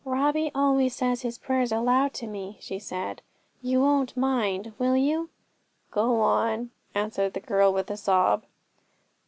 'Robbie always says his prayers aloud to me,' she said; 'you won't mind, will you?' 'Go on,' answered the girl, with a sob.